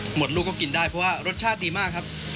ลูกก็กินได้เพราะว่ารสชาติดีมากครับ